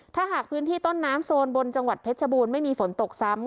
ถ้าหากพื้นที่ต้นน้ำโซนบนจังหวัดเพชรบูรณ์ไม่มีฝนตกซ้ำ